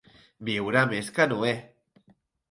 Viure més que Noé.